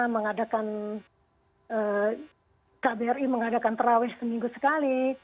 mengadakan kbri mengadakan terawih seminggu sekali